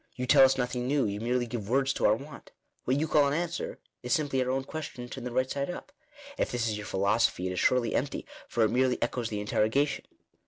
You tell us nothing new; you merely give words to our want. What you call an answer, is simply our own question turned the right side up. If this is your philosophy it is surely empty, for it merely echoes the interrogation."